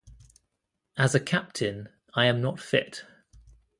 As a captain, I am not fit'.